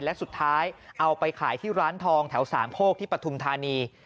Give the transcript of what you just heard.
และสุดท้ายเอาไปขายที่ร้านทองแถวสามโคกที่ปฐุมธานี